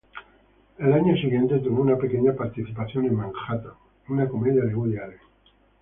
Al siguiente año, tuvo una pequeña participación en "Manhattan", una comedia de Woody Allen.